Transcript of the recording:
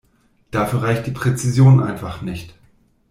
Dafür reicht die Präzision einfach nicht.